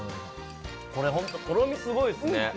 これ本当にとろみすごいですね。